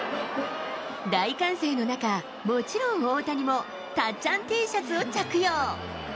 大歓声の中、もちろん大谷も、たっちゃんＴシャツを着用。